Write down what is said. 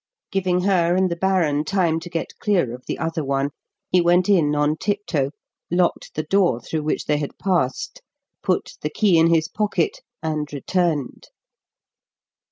Giving her and the baron time to get clear of the other one, he went in on tiptoe, locked the door through which they had passed, put the key in his pocket, and returned.